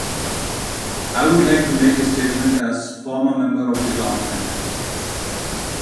I would like to make a statement as former member of the Government.